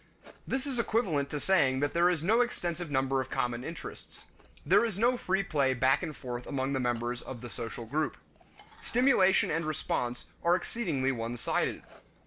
This is equivalent to saying that there is no extensive number of common interests; there is no free play back and forth among the members of the social group. Stimulation and response are exceedingly one sided.